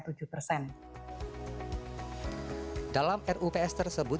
terima kasih lapigt